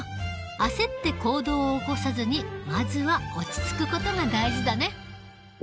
あせって行動を起こさずにまずは落ち着くことが大事だね。